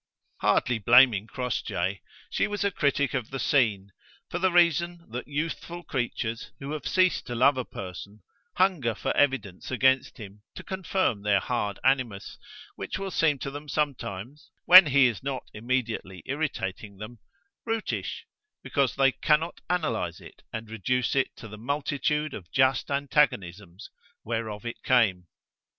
Hardly blaming Crossjay, she was a critic of the scene, for the reason that youthful creatures who have ceased to love a person, hunger for evidence against him to confirm their hard animus, which will seem to them sometimes, when he is not immediately irritating them, brutish, because they can not analyze it and reduce it to the multitude of just antagonisms whereof it came.